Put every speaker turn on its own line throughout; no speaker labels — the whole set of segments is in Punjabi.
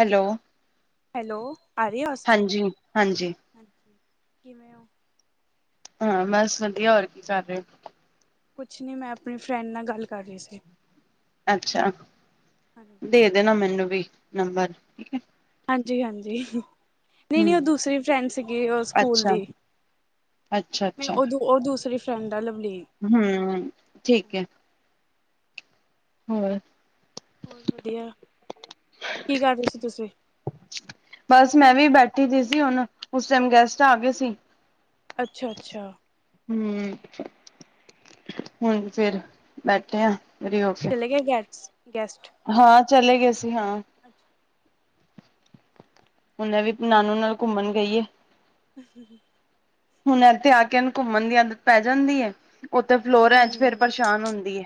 ਹੈਲੋ
ਹੈਲੋ ਆ ਰਹੀ ਅਵਾਜ਼
ਹਾਂਜੀ ਹਾਂਜੀ
ਹਾਂਜੀ, ਕਿਵੇਂ ਹੋ
ਹਾਂ ਬਸ ਵਧੀਆ ਹੋਰ ਕੀ ਕਰ ਰਹੇ?
ਕੁਛ ਨਹੀਂ। ਮੈਂ ਆਪਣੀ ਫਰੈਂਡ ਨਾਲ ਗੱਲ ਕਰ ਰਹੀ ਸੀ।
ਅੱਛਾ,
ਹਾਂਜੀ।
ਦੇ ਦੇਣਾ ਮੈਨੂੰ ਵੀ ਨੰਬਰ--ਠੀਕ ਹੈ।
ਹਾਂਜੀ ਹਾਂਜੀ ਨਹੀਂ ਨਹੀਂ ਉਹ
ਹਮ
ਦੂਸਰੀ ਫਰੈਂਡ ਸੀਗੀ ਉਹ ਸਕੂਲ
ਅੱਛਾ
ਦੀ
ਅੱਛਾ
ਮੈਂ ਉਦੋਂ ਉਹ ਦੂਸਰੀ ਫਰੈਂਡ ਆ ਲਵਲੀਨ
ਹੂੰ, ਠੀਕ ਐ।
ਹਾਂਜੀ।
ਹੋਰ
ਹੋਰ ਵਧੀਆ। ਕੀ ਕਰ ਰਹੇ ਸੀ ਤੁਸੀਂ?
ਬਸ ਮੈਂ ਵੀ ਬੈਠੀ ਦੀ ਸੀ ਹੁਣ। ਉਸ ਟਾਈਮ ਗੈਸਟ ਆ ਗਏ ਸੀ।
ਅੱਛਾ ਅੱਛਾ।
ਹੂੰ, ਹੁਣ ਫੇਰ ਬੈਠੇ ਆਂ।
ਚਲੇ ਗਏ ਗੈਕਸ ਗੈਸਟ?
ਹਾਂ, ਚਲੇ ਗਏ ਸੀ, ਹਾਂ। ਹੁਨੇ ਵੀ ਨਾਨੂ ਨਾਲ ਘੁੰਮਣ ਗਈ ਏ।
ਅਹ ਹ।
ਹੁਣ ਐਥੇ ਆ ਕੇ ਏਨੂੰ ਘੁੰਮਣ ਦੀ ਆਦਤ ਪੈ ਜਾਂਦੀ ਐ। ਉਥੇ ਫਲੋਰਾਂ ਚ ਫੇਰ
ਹੂੰ,
ਪਰੇਸ਼ਾਨ ਹੁੰਦੀ ਐ।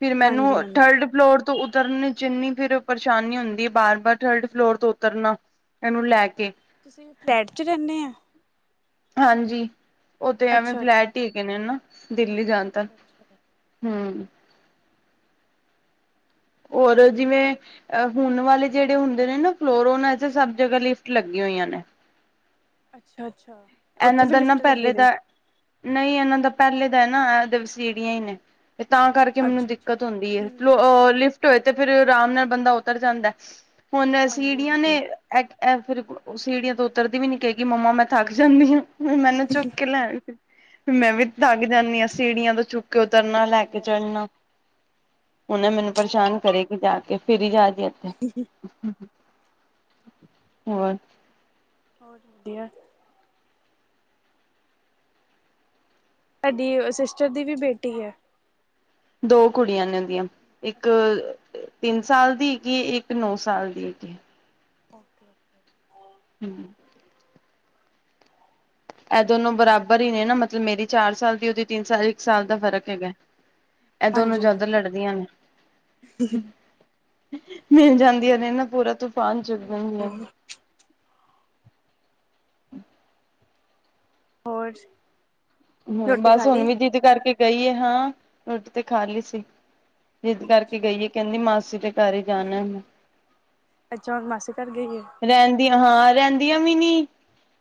ਫਿਰ ਮੈਨੂੰ
ਹਾਂਜੀ-ਹਾਂਜੀ,
ਥਰਡ ਫਲੋਰ ਤੋਂ ਉਤਰਨ ਚ ਇਨੀ ਫਿਰ ਪਰੇਸ਼ਾਨੀ ਹੁੰਦੀ ਐ, ਬਾਰ ਬਾਰ ਥਰਡ ਫਲੋਰ ਤੋਂ ਉਤਰਨਾ, ਏਹਨੂੰ ਲੈ ਕੇ।
ਤੁਸੀਂ ਵੀ ਫਲੈਟ ਚ ਰਹਿਨੇ ਆ?
ਹਾਂਜੀ, ਉਹ ਤੇ ਐਵੇਂ
ਅੱਛਾ-ਅੱਛਾ।
ਫਲੈਟ ਈ ਹੈਗੇ ਨੇ ਨਾ, ਦਿੱਲੀ ਜਾਣ ਤਰ।
ਅੱਛਾ-ਅੱਛਾ।
ਹੂੰ। ਔਰ ਜਿਵੇਂ ਅਹ ਹੁਣ ਵਾਲੇ ਜਿਹੜੇ ਹੁੰਦੇ ਨੇ ਨਾ ਫਲੋਰ, ਓਨਾ ਚ ਸਭ ਜਗ੍ਹਾ ਲਿਫਟ ਲੱਗੀ ਹੋਈਆਂ ਨੇ।
ਅੱਛਾ ਅੱਛਾ।
ਇਹਨਾਂ ਦਾ ਨਾ ਪਹਿਲੇ ਦਾ, ਨਹੀਂ ਇਹਨਾਂ ਦਾ ਪਹਿਲੇ ਦਾ ਐ ਨਾ, ਇਹ ਵਸੀੜੀਆਂ ਈ ਨੇ। ਤੇ ਤਾਂ ਕਰਕੇ ਮੈਨੂੰ ਦਿੱਕਤ
ਅੱਛਾ-ਅੱਛਾ,
ਹੁੰਦੀ ਐ। ਫਲੋ
ਹੂੰ,
ਓ ਲਿਫ ਟ ਹੋਏ ਤੇ ਫੇਰ ਰਾਮ ਨਾਲ ਬੰਦਾ ਉਤਰ ਜਾਂਦੈ, ਹੁਣ ਸੀੜੀਆਂ ਨੇ
ਹਾਂਜੀ-ਹਾਂਜੀ।
ਐਨ ਐ ਫਿਰ ਓ ਓ ਸੀੜੀਆਂ ਤੋਂ ਉਤਰਦੀ ਵੀ ਨੀ, ਕਹੇਗੀ ਮੰਮਾ ਮੈਂ ਥੱਕ ਜਾਨੀ ਆਂ। ਮ ਮੈਨੂੰ ਚੁੱਕ ਕੇ ਲੈ। ਮੈਂ ਵੀ ਤਕ ਜਾਨੀ ਆਂ, ਸੀੜੀਆਂ ਤੋਂ ਚੁੱਕ ਕੇ
ਹਾਂਜੀ
ਉਤਰਨਾ,
ਇਹ
ਲੈ
ਤਾਂ
ਕੇ
ਹੈ
ਚੜ੍ਹਨਾ। ਹੁਣ ਐ ਮੈਨੂੰ ਪਰੇਸ਼ਾਨ ਕਰੇਗੀ ਜਾ ਕੇ, ਫਿਰ ਹੀ ਜਾ ਜ ਇੱਥੇ। ਹੋਰ?
ਹੋਰ ਵਧੀਆ। ਤਾਡੀ ਸਿਸਟਰ ਦੀ ਵੀ ਬੇਟੀ ਐ?
ਦੋ ਕੁੜੀਆਂ ਨੇ ਉਹਦੀਆਂ, ਇੱਕ
ਅੱਛਾ ਅੱਛਾ
ਅਹ ਤਿੰਨ ਸਾਲ ਦੀ ਹੈਗੀ ਐ, ਇੱਕ ਨੌ ਸਾਲ ਦੀ ਹੈਗੀ ਐ।
ਓਕੇ।
ਹੂੰ। ਇਹ ਦੋਨੋ ਬਰਾਬਰ ਈ ਨੇ ਨਾ, ਮਤਲਬ ਮੇਰੀ ਚਾਰ ਸਾਲ ਦੀ, ਉਹਦੀ ਤਿੰਨ ਸਾਲ, ਇੱਕ ਸਾਲ
ਹੂੰ
ਦਾ ਫ਼ਰਕ ਹੈਗਾ। ਐ ਦੋਨੋ
ਹਾਂਜੀ
ਜਦ ਲੜਦੀਆਂ ਨੇ ਮਿਲ ਜਾਂਦੀਆਂ ਨੇ ਨਾ ਪੂਰਾ ਤੂਫਾਨ ਚੁਕ ਲੈਂਦੀਆਂ ਨੇ।
ਹਾਂਜੀ ਹੋਰ ਸ
ਹੂੰ, ਬਸ ਹੁਣ ਵੀ ਜਿਦ ਕਰਕੇ ਗਈ ਐ, ਹਾਂ ਰੋਟੀ ਤੇ ਖਾ ਲਈ ਸੀ। ਜਿਦ ਕਰਕੇ
ਅੱਛਾ
ਗਈ ਏ, ਕਹਿੰਦੀ ਮਾਸੀ ਦੇ ਘਰ ਈ ਜਾਣਾ ਹੁਣ।
ਅੱਛਾ ਹ, ਮਾਸੀ ਘਰ ਗਏ?
ਦੀ ਹਾਂ ਰਹਿੰਦੀਆਂ ਵੀ ਨੀ,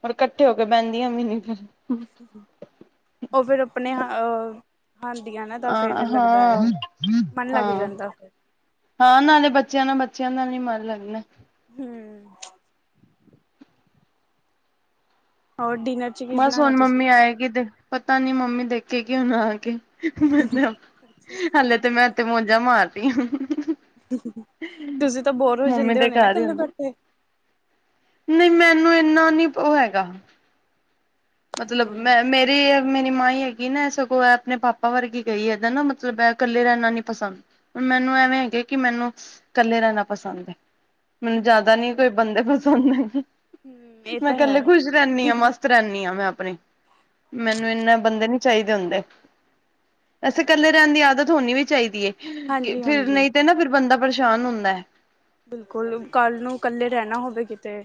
ਹੋਰ ਇਕੱਠੇ ਹੋ ਕੇ ਬਹਿੰਦੀਆਂ ਵੀ ਨੀ ਫਿਰ।
ਉਹ ਫਿਰ ਆਪਣੇ ਹਾ ਅਹ ਹਾਂਦੀਆਂ ਨਾ ਤਾਂ
ਅ
ਫਿਰ ਲੱਗਦਾ ਐ,
ਹਾਂ
ਮਨ ਲੱਗ
ਹਾਂ
ਜਾਂਦਾ ਫੇਰ।
ਹਾਂ ਨਾਲੇ ਬੱਚਿਆਂ ਨਾ ਬੱਚਿਆਂ ਨਾਲ ਈ ਮਨ ਲਗਨੈ।
ਹੂੰ। ਔਰ ਡਿਨਰ ਚ ਕੀ
ਬਸ
ਬਣਾਉਣਾ
ਹੁਣ
ਤੁਸੀਂ
ਮੰਮੀ ਆਏਗੀ ਤੇ, ਪਤਾ ਨੀ ਮੰਮੀ ਦੇਖੇਗੀ ਹੁਣ ਆ ਕੇ। ਮ
ਅੱਛਾ
[unintelligible]
ਅੱਛਾ
ਹਲੇੇ ਤੇ ਮੈਂ ਉਥੇ ਮੌੋਜਾਂ ਮਾਰਦੀ ਹਂ
ਤੁਸੀਂ ਤਾਂ ਬੋਰ ਹੋ
ਮੰਮੀ
ਜਾਂਦੇ
ਦੇ
ਹੋਣੇ ਨਾ
ਘਰ ਹੀ
ਕੱਲੇ
ਹੁੰਦੀ
ਬੈਠੇ?
ਨਹੀਂ, ਮੈਨੂੰ ਇੰਨਾ ਨੀ ਉਹ ਹੈਗਾ। ਮਤਲਬ
ਹਮ
ਮੈਂ, ਮੇ ਤੇ ਏ ਮੇਰੀ ਮਾਹੀ ਹੈਗੀ ਨਾ ਸਗੋਂ ਏ ਆਪਣੇ ਪਾਪਾ ਵਰਗੀ ਗਈ ਏ ਦ ਨਾ ਮਤਲਬ ਇਹ ਇਕੱਲੇ ਰਹਿਣਾ ਨਈ ਪਸੰਦ ਹਣ ਮੈਨੂੰ ਐਵੇਂ ਹੈਗਾ ਕਿ ਮੈਨੂੰ ਕੱਲੇ ਰਹਿਣਾ ਪਸੰਦ ਹੈ। ਮੈਨੂੰ
ਅੱਛਾ
ਜਿਆਦਾ ਨੀ
ਅੱਛਾ
ਕੋਈ ਬੰਦੇ ਪਸੰਦ ਹੈਗੇ।
ਹਮ ਇਹ
ਮੈਂ
ਤਾਂ ਹੈ
ਇਕੱਲੇ ਖੁਸ਼ ਰਹਿੰਦੀ ਹਾਂ ਮਸਤ ਰਹਦੀ ਹਾਂ ਮੈਂ ਆਪਣੇ। ਮੈਨੂੰ ਏਨੇ ਬੰਦੇ ਨੀ ਚਾਹੀਦੇ ਹੁੰਦੇ। ਵੈਸੇ
ਹੂੰ
ਇਕੱਲੇ ਰਹਿਣ ਦੀ ਆਦਤ ਹੋਣੀ ਵੀ ਚਾਹੀਦੀ ਹੈ
ਹਾਂਜੀ
ਫਿਰ
ਹਾਂਜੀ
ਨਹੀਂ ਤੇ ਨਾ ਫਿਰ ਬੰਦਾ ਪਰੇਸ਼ਾਨ ਹੁੰਦਾ ਹੈ।
ਬਿਲਕੁਲ ਕੱਲ੍ਹ ਨੂੰ ਕੱਲੇ ਰਹਿਣਾ ਹੋਵੇ ਕਿਤੇ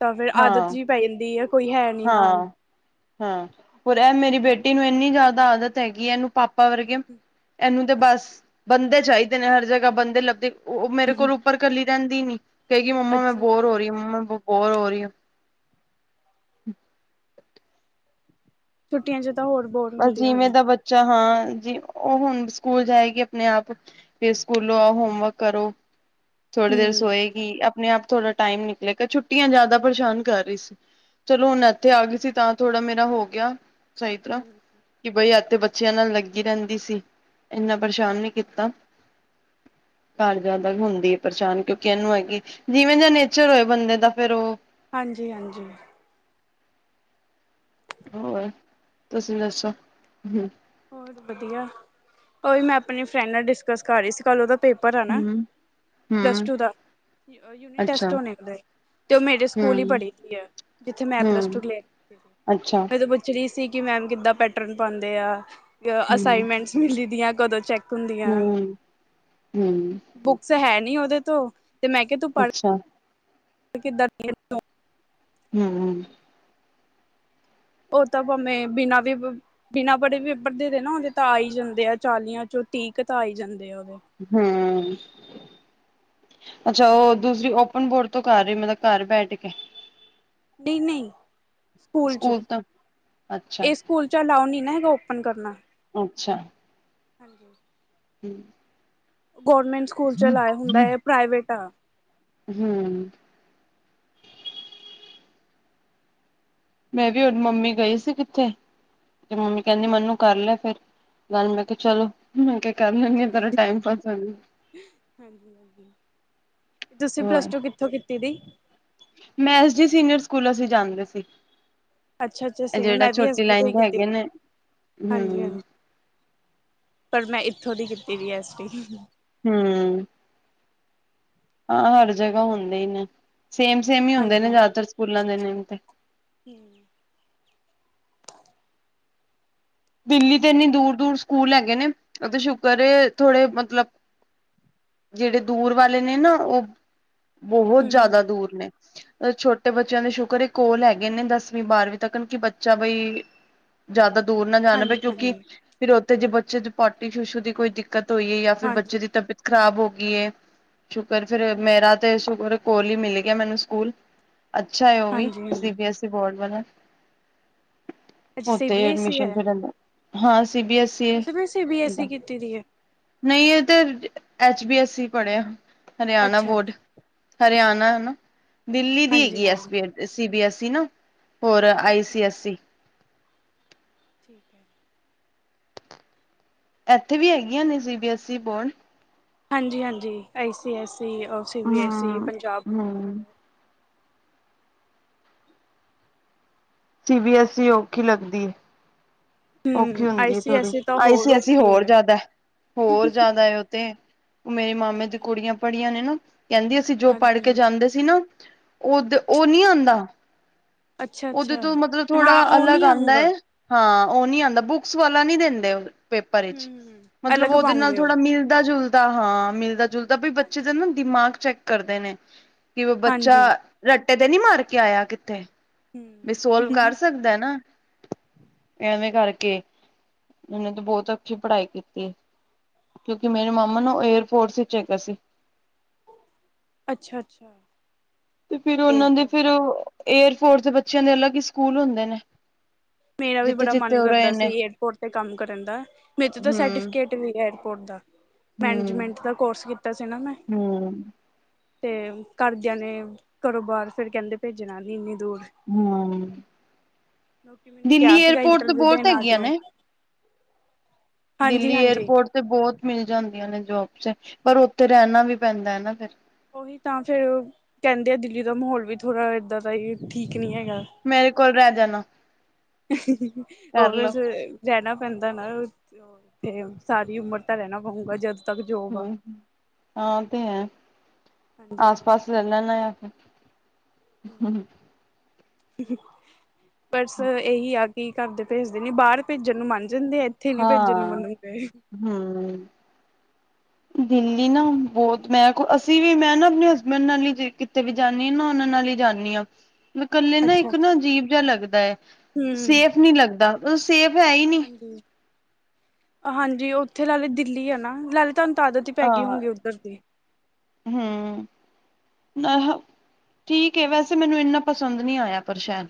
ਤਾਂ ਫੇਿਰ ਆਦਤ ਜਿ ਪੈ ਜਾਂਦੀ ਹੈ। ਕੋਈ ਹੈ ਨੀ ਨਾਲ
ਹਾਂ-ਹਾਂ, ਹੋਰ ਇਹ ਮੇਰੀ ਬੇਟੀ ਨੂੰ ਇੰਨੀ ਜ਼ਿਆਦਾ ਆਦਤ ਹੈਗੀਏ, ਇਹਨੂੰ ਪਾਪ ਪਾਪਾ ਵਰਗੇ, ਇਹਨੂੰ ਤੇ ਬਸ ਬੰਦੇ ਚਾਹੀਦੇ ਨੇ ਹਰ ਜਗ੍ਹਾ, ਬੰਦੇ ਲੱਭਦੀ, ਉਹ ਮੇਰੇ ਕੋਲੋਂ ਉੱਪਰ ਕੱਲੀ ਰਹਿੰਦੀ ਨੀ। ਕਹਿਈ ਮੰਮਾ, ਮੈਂ
ਅੱਛਾ
ਬੋਰ ਹੋ
ਅੱਛਾ
ਰਹੀ ਹੁਂ, ਮੰਮਾ ਮੈਂ ਬੋਰ ਹੋ ਰਹੀ ਹੁਂ।
ਛੁੱਟੀਆਂ ਚ ਤਾਂ ਹੋਰ ਬੋਰ
ਅ
ਹੁੰਦੀਆਂ
ਜਿਵੇਂ
ਨੇ
ਦਾ ਬੱਚ ਅਛਾ ਹਾਂ ਜੀ, ਉਹ ਹੁਣ ਸਕੂਲ ਜਾਏਗੀ ਆਪਣੇ ਆਪ ਫੇਰ ਸਕੂਲੋਂ ਆਓ ਹੋਮਵਰਕ ਕਰੋ। ਥੋੜ੍ਹੀ ਦੇਰ
ਹੂੰ
ਸੋਏਗੀ, ਆਪਣੇ-ਆਪ ਥੋੜ੍ਹਾ ਟਾਈਮ ਨਿਕਲੇਗਾ। ਛੁੱਟੀਆਂ ਜ਼ਿਆਦਾ ਪਰੇਸ਼ਾਨ ਕਰ ਰਹੀ ਸੀ। ਚਲੋ ਹੁਣ ਇੱਥੇ ਆ ਗਈ ਸੀ, ਤਾਂ ਥੋੜਾ ਮੇਰਾ ਹੋ ਗਿਆ ਸਹੀ ਤਰ੍ਹਾਂ ਕਿ ਬਈ ਇਥੇ ਬੱਚਿਆਂ ਨਾਲ ਲੱਗੀ ਰਹਿੰਦੀ ਸੀ। ਇੰਨਾ ਪਰੇਸ਼ਾਨ ਨੀ ਕੀਤਾ। ਘਰ ਜ਼ਿਆਦਾ ਹੁੰਦੀ ਅ। ਪਰੇਸ਼ਾਨ ਕਿਉਂਕਿ ਇਹਨੂੰ ਹੈਗੀ, ਜਿਵੇਂ ਜ ਨੇਚਰ ਹੋਏ ਬੰਦੇ ਦਾ ਫੇਿਰ ਉਹ
ਹਾਂਜੀ-ਹਾਂਜੀ।
ਹੋਰ ਤੁਸੀਂ ਦੱਸੋ? ਹੁਂ।
ਹੋਤ ਵਧੀਆ? ਉਹ ਵੀ ਮੈਂ ਆਪਣੀ ਫਰੈਂਡ ਨਾਲ ਡਿਸਕਸ ਕਰ ਰਹੀ ਸੀ ਕੱਲ ਉਹਦਾ ਪੇਪਰ ਹੈ ਨਾ,
ਹੂੰ ਹੂੰ
ਪਲੱਸ-ਟੂ ਦਾ ਯੂਨਿਟ
ਅੱਛਾ
ਟੈਸਟ ਹੋਣੇ। ਤੇ ਉਹ ਮੇਰੇ ਸਕੂਲ ਹੀ
ਹੂੰ
ਪੜ੍ਹੀ ਦੀ ਆ ਜਿੱਥੇ ਮੈਂ ਪਲੱਸ-ਟੂ
ਹੂੰ
ਕਅਰ
ਅੱਛਾ
ਰ ਸੀ ਕਿ ਮੈਮ ਕਿੱਦਾਂ ਪੈਟਰਨ ਪਾਉਂਦੇ ਆ।
ਹੂੰ
ਅਸਾਈਨਮੈਂਟਸ ਮਿਲੀ ਦੀਆਂ। ਕਦੋਂ ਚੈੱਕ ਹੁੰਦੀਆਂ।
ਹੂੰ ਹੂੰ
ਬੁੱਕਸ ਹੈ ਨੀ ਓਦੇ ਤੋ, ਤੇ ਮੈਂ
ਅੱਛਾ।
ਤੇ ਕਿਦਾਂ ਫੇਰ?
ਹੁਂ-ਹੁਂ।
ਉਹ ਤਾਂ ਭਾਵੇਂ, ਬਿਨਾਂ ਵੀ ਬੁਕ ਬਿਨਾਂ ਪੜੇ ਵੀ ਪੇਪਰਦੇ ਦੇ ਨਾ ਉਹਦੇ ਤਾਂ ਆਈ ਜਾਂਦੇ ਆ, ਚਾਲੀਆਂ ਚੋਂ ਤੀਹ ਕੁ ਤਾਂ ਆਈ ਜਾਂਦੇ ਆ ਉਹਦੇ।
ਹੁਂ। ਅੱਛਾ ਉਹ ਦੂਸਰੀ, ਓਪਨ ਬੋਰਡ ਤੋਂ ਕਰ ਰਹੇ, ਮਤਲਬ ਘਰ ਬੈਠ ਕੇ।
ਨਹੀਂ-ਨਹੀਂ, ਸਕੂਲ ਚ,
ਅੱਛਾ
ਇਹ ਸਕੂਲ ਚੱਲ ਆਓ ਨਹੀਂ ਨਾ ਰੋਪਨ ਕਰਨਾ।
ਅੱਛਾ।
ਹਾਂਜੀ।
ਹੁਂ
ਗੌਰਮੈਂਟ ਸਕੂਲ 'ਚ ਲਾਇਆ ਹੁੰਦਾ ਹੈ, ਏ ਪ੍ਰਾਈਵੇਟ ਆ।
ਹੁਂ। ਮੈਂ ਵੀ ਮੰਮੀ ਗਈ ਸੀ ਕਿੱਥੇ, ਤੇ ਮੰਮੀ ਕਹਿੰਦੀ ਮੈਨੂੰ ਕਰ ਲੈ ਫਿਰ। ਗੱਲ ਮੈਂ ਕਿਹਾ ਚਲੋ, ਮੈਂ ਕਿਹਾ ਕਰ ਲੈਂਦੀ ਆ, ਤੇਰਾ ਟਾਈਮ ਪਾਸ ਹੋਜੇ।
ਹਾਂਜੀ-ਹਾਂਜੀ। ਤੁਸੀਂ
ਹੋਰ
ਪਲੱਸ-ਟੂ ਕਿੱਥੋਂ ਕੀਤੀ ਦੀ?
ਮੈਂ ਐਸ ਡੀ ਸੀਨੀਅਰ ਸਕੂਲ, ਅਸੀਂ ਜਾਂਦੇ ਸੀ।
ਅੱਛਾ-ਅੱਛਾ
ਇਹ
ਸੇਮ,
ਜਿਹੜਾ
ਮੈਂ ਵੀ ਐਸ
ਛੋਟੀ
ਤੋਂ
ਲਾਈਨ
ਹੀ
ਦੇ
ਕੀਤੀ
ਹੈਗੇ
ਸੀ।
ਨੇ ਹੂੰ
ਹਾਂਜੀ-ਹਾਂਜੀ। ਪਰ ਮੈਂ ਇੱਥੋਂ ਦੀ ਕੀਤੀ ਵੀ ਐਸਟੀ
ਹਮ ਹਾਂ ਹਰ ਜਗ੍ਹਾ ਹੁੰਦੇ ਹੀ ਨੇ ਸੇਮ ਸੇਮ ਹੀ ਹੁੰਦੇ ਨੇ
ਹਾਂਜੀ
ਜ਼ਿਆਦਾਤਰ ਸਕੂਲਾਂ ਦੇ ਨੇਮ ਤੇ।
ਹਮ
ਦਿੱਲੀ ਤੇ ਇੰਨੀ ਦੂਰ ਦੂਰ ਸਕੂਲ ਹੈਗੇ ਨੇ ਉਹ ਤੇ ਸ਼ੁਕਰ ਥੋੜੇ ਮਤਲਬ ਜਿਹੜੇ ਦੂਰ ਵਾਲੇ ਨੇ ਨਾ ਉਹ ਬਹੋਤ
ਹੂੰ
ਜ਼ਿਆਦਾ ਦੂਰ ਨੇ ਛੋਟੇ ਬੱਚਿਆਂ ਸ਼ੁਕਰ ਇਹ ਕੋਲ ਹੈਗੇ ਨੇ ਦਸਵੀਂ ਬਾਰਵੀਂ ਤੱਕਨ ਕਿ ਬੱਚਾ ਬਈ ਜ਼ਆਦਾ ਦੂਰ ਨਾ ਜਾਨਾ ਪਏ
ਹਾਂਜੀ
ਕਿਉਂਕਿ
ਹਾਂਜੀ
ਫਿਰ ਉੱਥੇ ਜੇ ਬੱਚੇ ਦੀ ਪਾੳਟੀ ਸ਼ੁਸ਼ੂ ਦੀ ਕੋਈ ਦਿੱਕਤ ਹੋਈ ਹੈ ਯਾ ਫਿਰ ਬੱਚੇ
ਹਾਂਜੀ
ਦੀ ਤਬੀਅਤ ਖ਼ਰਾਬ ਹੋ ਗਈ ਏ ਸ਼ੁਕਰ ਫੇਰ ਮੇਰਾ ਤੇ ਸ਼ੂਕਰ ਕੋਲ ਈ ਮਿਲ ਗਿਆ ਮੈਨੂੰ ਸਕੂਲ ਅੱਛਾ ਏ ਉਹ ਵੀ
ਹਾਂਜੀ ਹਾਂਜੀ
C B S E board ਵੱਲਾ
ਅੱਛਾ ਸੀ
ਉੱਥੇ
ਬੀ ਐੱਸ ਈ
ਐਡਮਿਸ਼ਨ
ਹੈ
ਕਰਨ ਦਾ ਹਾਂ ਸੀ ਬੀ ਐਸ ਈ
ਤੁਸੀਂ ਵੀ ਸੀ ਬੀ ਐੱਸ ਈ ਕੀਤੀ ਦੀ ਏ
ਨਹੀਂ ਇਹ ਤੇ ਐਚ ਬੀ ਐੱਸ ਈ ਪੜ੍ਹਿਆ ਹਰਿਆਨਾ
ਅੱਛਾ
ਬੋਰਡ
ਅੱਛਾ
ਹਰਿਆਨਾ ਦਿੱਲੀ ਦੀ
ਹਾਂਜੀ
ਹੈਗੀ ਐਸ
ਹਾਂਜੀ
ਬੀ ਐਸਈ ਨਾ ਹੋਰ ਆਈ
ਅੱਛਾ
ਸੀ ਐਸ ਸੀ
[inaudible]
ਐਥੇ ਵੀ ਹੈਗੀਆਂ ਨੇ C B S E board
ਹਾਂਜੀ ਹਾਂਜੀ ਆਈ ਸੀ ਐੱਸ ਈ ਓ ਸੀ ਬੀ ਐੱਸ ਈ
ਹੂੰ
ਪੰਜਾਬ [unintelligible]
ਹੂੰ ਸੀ ਬੀ ਐੱਸ ਈ ਔਖੀ ਲੱਗਦੀ ਔਖੀ
ਹਮ ਆਈ
ਹੁੰਦੀ ਏ
ਸੀ
ਥੋੜੀ
ਐੱਸ ਈ ਤਾਂ
ਆਈ
ਹੋਰ
ਸੀ ਅਸੀਂ
ਔਖੀ
ਹੋਰ
ਹੈ
ਜਿਆਦਾ ਹੋਰ ਜਿਆਦਾ ਉਹ ਤੇ ਮੇਰੇ ਮਾਮੇ ਦੀ
ਹਾਂਜੀ
ਕੁੜੀਆਂ ਪੜ੍ਹੀਆਂ ਨੇ ਨਾ ਕਹਿੰਦੀ ਅਸੀਂ ਜੋ ਪੜ੍ਹ
ਹਾਂਜੀ
ਕੇ
ਹਾਂਜੀ
ਜਾਂਦੇ ਸੀ ਨਾ ਉਹਦ ਉਹ ਨੀ ਆਂਦਾ
ਅੱਛਾ ਅੱਛਾ
ਮਤਲਬ ਥੋੜਾ
ਹਾਂ ਉਹ
ਅਲੱਗ
ਨਹੀਂ
ਆਂਦਾ
ਆਊਂਗਾ
ਏ ਹਾਂ ਉਹ ਨੀ ਆਂਦਾ ਬੁਕਸ ਵਾਲਾ ਨਹੀਂ ਦਿੰਦੇ ਪੇਪਰ ਚ
ਹਮ
ਮਤਲਬ
ਅਲੱਗ
ਉਹਦੇ ਨਾਲ
ਪਾਉਂਗੇ ਉਹ
ਥੋੜਾ ਮਿਲਦਾ ਜੁਲ ਹਾਂ ਮਿਲਦਾ ਜੁਲਦਾ ਵੀ ਬਈ ਬੱਚੇ ਦਾ ਨਾ ਦਿਮਾਗ ਚੈੱਕ ਕਰਦੇ ਨੇ ਕਿ ਬੱਚਾ
ਹਾਂਜੀ
ਰੱਟੇ ਤੇ ਨੀ ਮਾਰ ਕੇ ਆਇਆ ਕਿੱਥੇ ਵੀ ਸੋਲਵ ਕਰ
ਹਮ
ਸਕਦਾ ਨਾ ਐਵੇਂ ਕਰਕੇ ਉਨੇ ਤ ਬਹੋਤ ਅੱਛੀ ਪੜ੍ਹਾਈ ਕੀਤੀ ਕਿਉਂਕਿ ਮੇਰੇ ਮਾਮਾ ਨੂੰ ਏਅਰਫੋਰਸ ਚ ਹੈਗੇ ਸੀ
ਅੱਛਾ ਅੱਛਾ
ਤੇ ਫਿਰ ਉਹਨਾਂ ਦੇ
ਏਅਰਪੋਰਟ
ਫਿਰ ਏਅਫੋਰਸ ਦੇ ਬੱਚਿਆਂ ਦੇ ਅਲਗ ਹੀ ਸਕੂਲ ਹੁੰਦੇ ਨੇ
ਮੇਰਾ ਵੀ
ਜਿੱਥੇ
ਬੜਾ
ਜਿੱਥੇ
ਮਨ
ਉਹ ਰਹੇ
ਕਰਦਾ ਸੀ
ਨੇ
ਏਅਰਪੋਰਟ ਤੇ ਕੰਮ ਕਰਨ ਦਾ ਵਿਚ ਤਾਂ
ਹੂੰ
ਸੈਟੀਫੀਕੇਟ ਪੋਰਟ ਦਾ
ਹੂੰ
ਮੈਨਜਮੈਂਟ ਦਾ ਕੋਰਸ ਕੀਤਾ ਸੀ ਨਾ ਮੈਂ
ਹੂੰ।
ਤੇ ਘਰਦਿਆਂ ਨੇ ਘਰੋ ਬਾਹਾਰ ਫੇਰ ਕਹਿੰਦੇ ਭੇਜਨਾ ਨੀ ਇੰਨੀ ਦੂਰ।
ਹਮ
ਲੋਕੀ ਮੈਨੂੰ
ਦਿੱਲੀ
ਕਿਹਾ ਸੀਗਾ
ਏਅਰਪੋਰਟ ਤੋਂ
ਇੰਟਰਵਿਊ
ਬਹੋਤ
ਦੇਣ ਆ
ਹੈਗੀਆਂ
ਜਾਓ
ਨੇ
ਹਾਂਜੀ
ਦਿੱਲੀ
ਹਾਂਜੀ
ਏਅਰਪੋਰਟ ਤੇ ਬਹੋਤ ਮਿਲ ਜਾਂਦੀਆਂ ਨੇ ਜੋਬਸ ਪਰ ਉੱਥੇ ਰੈਹਨਾ ਵੀ ਪੈਂਦਾ ਏ ਨਾ ਫਿਰ
ਉਹੀ ਤਾਂ ਫੇਰ ਕਹਿਦੇ ਆ ਦਿੱਲੀ ਦਾ ਮਾਹੌਲ ਵੀ ਥੋੜਾ ਏਦਾਂ ਦਾ ਹੀ ਠੀਕ ਨੀ ਹੈਗਾ
ਮੇਰੇ ਕੋਲ ਰਹਿ ਜਾਣਾ
[unintelligible]
ਕਰ ਲਓ
ਰਹਿਨਾ ਪੈਂਦਾ ਨਾ ਉੱਥੇ ਸਾਰੀ ਉਮਰ ਤਾਂ ਰਹਿਨਾ ਪਊਂਗਾ ਜਦ ਤੱਕ ਜੋਬ ਆ
ਹਮ ਹਾਂ ਤੇ ਹੈ
ਹਾਂਜੀ
ਆਸ ਪਾਸ ਲੈ
ਹਾਂਜੀ
ਲਨਾ ਫੇਰ।
[unintelligible] ਕੀ ਘਰਦੇ ਭੇਜਦੇ ਨੀ ਬਾਹਰ ਭੇਜਨ ਨੂੰ ਮੰਨ ਜਾਂਦੇ ਆ ਇੱਥੇ ਨੀ ਭੇਜਣ ਨੂੰ
ਹਾਂ
ਮੰਨਦੇ।
ਹਮ
[inaudible]
ਦਿੱਲੀ ਨਾ ਬਹੋਤ ਮੈਂ ਕੋ ਅਸੀਂ ਵੀ ਮੈਂ ਨਾ ਆਪਨੇ ਹਸਬੈਂਡ ਨਾਲ ਹੀ ਜੇ ਕਿਤੇ ਵੀ ਜਾਨੀ ਹ ਨਾ ਉਹਨਾਂ ਨਾਲ ਹੀ ਜਾਨੀ ਹਾਂ ਇਕੱਲੇ ਨਾ ਇੱਕ ਨਾ ਅਜੀਬ ਜਿਹਾ ਲੱਗਦੈ
ਹੂੰ।
ਸੇਫ ਨੀ ਲੱਗਦਾ ਉਹ ਸੇਫ ਹੈ ਈ
ਹਾਂਜੀ ਉੱਥੇ ਲਾ ਦਿੱਲੀ ਆ ਨਾਲੇ ਤੁਹਾਨੂੰ ਆਦਤ ਹੀ ਪੈ ਗਈ
ਹਾਂ
ਹੋਊਗੀ। [unintelligible]
ਹਮ ਆਹਾਂ ਠੀਕ ਹੈ, ਵੈਸੇ ਮੈਨੂੰ ਇੰਨਾ ਪਸੰਦ ਨਹੀਂ‌ ਆਇਆ ਪ੍ਰਸ਼ਾਦ।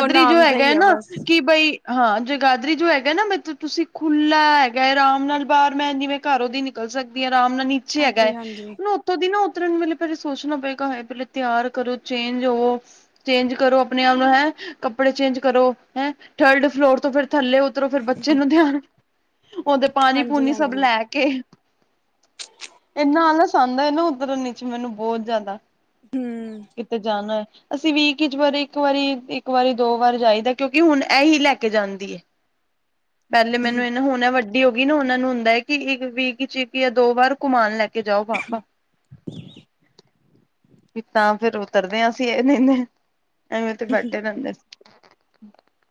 ਉਹ
ਜੋ
ਨਾਮ ਦਾ
ਹੈਗਾ
ਹੀ
ਹੈ
ਆ
ਨਾ
ਬਸ
ਕਿ ਬਈ। ਹਾਂ ਜਗਾਦਰੀ ਜੋ ਹੈਗਾ ਨਾ ਮਤਲਬ ਤੁਸੀਂ ਖੁੱਲ੍ਹਾਂ ਹੈਗਾ ਆਰਾਮ ਨਾਲ ਬਾਹਰ ਮੈਂ ਜਿਵੇਂ ਘਰ ਉਹਦੀ। ਨਿਕਲ ਸਕਦੀ ਹੈ। ਆਰਾਮ ਨਾਲ ਨੀਚੇ ਹੈਗਾ
ਹਾਂਜੀ
ਹੈ।
ਹਾਂਜੀ
ਉਹ ਉੱਥੋਂ ਦੀ ਨਾ। ਉਤਰਨ ਨੂੰ ਵੇਲੇ ਪਹਿਲਾਂ ਸੋਚਣਾ ਪਏਗਾ ਹੇ ਪੇਲੇ ਤਿਆਰ ਕਰੋ ਚੇਂਜ ਹੋਵੋ। ਚੇਂਜ ਕਰੋ ਆਪਣੇ ਆਪ ਨੂੰ ਹੈਂ ਕੱਪੜੇ ਚੇਂਜ ਕਰੋ ਹੈਂ ਥਰਡ ਫਲੋਰ ਤੋਂ ਫੇਰ ਥੱਲੇ। ਉਧਰੋ ਫਿਰ ਬੱਚੇ ਨੂੰ ਧਿਆਨ ਉਹਦੇ ਪਾਣੀ
ਹਾਂਜੀ
ਪੂਣੀ ਸਭ
ਹਾਂਜੀ
ਲੈ ਕੇ। ਕੇ ਇਨਾ ਆਲਸ ਆਉਂਦਾ ਨਾ ਉਤਰਨ ਨ ਚ ਮੈਨੂੰ ਬਹੁਤ ਜ਼ਿਆਦਾ।
ਹਮ
ਕਿਤੇ ਜਾਣਾ ਹੈ? ਅਸੀਂ ਵੀਕ ਵਿਚ ਵਾਰੀ ਇੱਕ ਵਾਰੀ ਇੱਕ ਵਾਰੀ ਦੋ ਵਾਰ ਜਾਈਦਾ ਕਿਉਂਕਿ ਹੁਣ ਇਹੀ ਲੈ ਕੇ ਜਾਂਦੀ ਹੈ।
[inaudible]
ਪਹਿਲੇ ਮੈਨੂੰ ਇਹ ਹੁਣ ਵੱਡੀ ਹੋ ਗਈ ਨਾ, ਉਹਨਾਂ ਨੂੰ ਹੁੰਦਾ ਹੈ ਕਿ ਇੱਕ ਵੀਕ ਚ ਇਕ ਜਾਂ ਦੋ ਵਾਰ ਘੁਮਾਉਣ ਲੈ। ਜਾਓ ਪਾਪਾ।
[inaudible]
ਵੀ ਤਾਂ ਫੇਰ ਉਤਰਦੇ ਹਾਂ ਅਸੀਂ ਇਹ ਨਹੀਂਦੇ ਐਵੇਂ ਬੈਠੇ ਰਹਿੰਦੇ।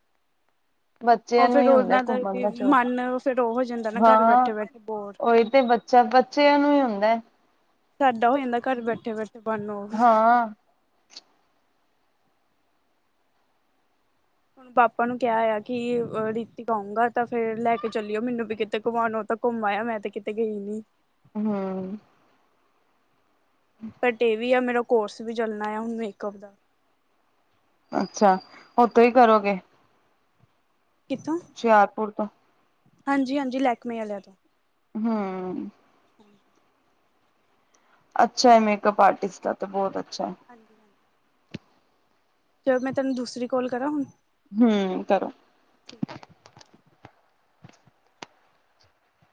[inaudible]
ਉਹ
ਬੱਚਿਆਂ ਨੂੰ
ਫਿਰ
ਹੀ ਹੁੰਦਾ
ਉਹਨਾਂ
ਘੁੰਮਣ ਦਾ ਸ਼ੌਕ
ਮਨ ਫਿਰ ਉਹ ਹੋ ਜਾਂਦਾ ਨਾ ਘਰ
ਹਾਂ
ਬੈਠੇ ਬੈਠੇ ਬੋਰ
ਉਹੀ ਤੇ। ਜਾਂ ਬੱਚਿਆਂ ਨੂੰ ਹੀ ਹੁੰਦਾ।
ਸਾਡਾ ਹੋ ਜਾਂਦਾ ਘਰ ਬੈਠੇ ਬੈਠੇ ਬਨ ਹੋ।
ਹਾਂ
ਹੁਣ ਪਾਪਾ ਨੂੰ ਕਿਹਾ ਆਇਆ ਕਿ ਰੀਤੀਕ ਆਊਂਗਾ ਤਾਂ ਫੇਰ ਲੈ ਕੇ ਚੱਲਿਓ ਮੈਨੂੰ ਵੀ ਕਿਤੇ ਕਮਉਣੋ ਤਾਂ ਉਹ। ਘੁੰਮ ਆਇਆ ਮੈਂ ਤੇ ਕਿਤੇ ਗਈ ਨੀ।
ਹਮ
ਬਟ ਇਹ ਵੀ ਆ ਮੇਰਾ ਕੋਰਸ ਵੀ ਚੱਲਣਾ ਆ ਹੁਣ ਮੇਕਅਪ ਦਾ।
ਅੱਛਾ ਹੁਣ ਤੋਂ ਹੀ ਕਰੋਗੇ?
ਕਿੱਥੋਂ
ਹੁਸ਼ਿਆਰਪੁਰ ਤੋਂ
ਹਾਂਜੀ ਹਾਂਜੀ ਲੈਕਮੇ ਆਲਿਆਂ ਤੋਂ।
ਹਮ
ਹਾਂ
ਅੱਛਾ ਹੈ ਮੇਕਅਪ ਆਰਟਿਸਟ ਦਾ ਤੇ ਬਹੁਤ ਅੱਛਾ ਹੈ।
ਹਾਂਜੀ ਹਾਂਜੀ। ਚਲੋ ਮੈਂ ਤੁਹਾਨੂੰ ਦੂਸਰੀ ਕਲ ਕਰਾਂ ਹੁਣ।
ਹੂੰ ਤਰ
ਠੀਕ